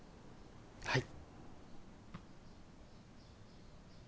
はい。